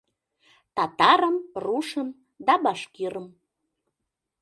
Татарым, рушым да башкирым